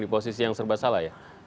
di posisi yang serba salah ya